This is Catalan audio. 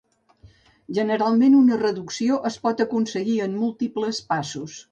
Generalment una reducció es pot aconseguir en múltiples passos.